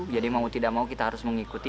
jadi mau tidak mau kita harus mengikuti